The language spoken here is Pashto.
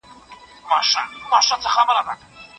زمری خپلي بې عقلۍ لره حیران سو